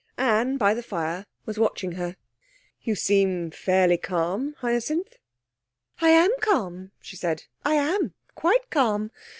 Anne, by the fire, was watching her. 'You seem very fairly calm, Hyacinth.' 'I am calm,' she said. 'I am; quite calm.